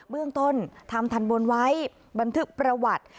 เรื่องต้นทำทันบนไว้บันทึกประวัติ